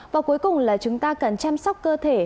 và cuối cùng là chúng ta cần chăm sóc cơ thể